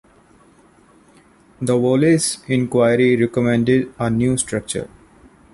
The Wallis Inquiry recommended a new structure.